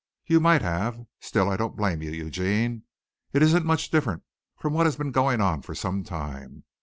You might have. Still I don't blame you, Eugene. It isn't much different from what has been going on for some time.